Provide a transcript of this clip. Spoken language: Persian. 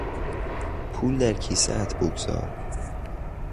پول در کیسهات بگذار!